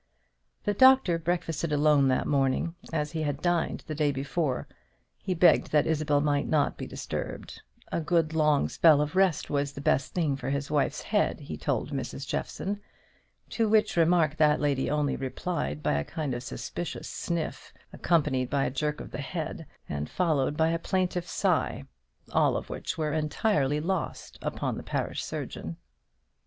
The doctor breakfasted alone that morning, as he had dined the day before. He begged that Isabel might not be disturbed, A good long spell of rest was the best thing for his wife's head, he told Mrs. Jeffson; to which remark that lady only replied by a suspicious kind of sniff, accompanied by a jerk of the head, and followed by a plaintive sigh, all of which were entirely lost upon the parish surgeon.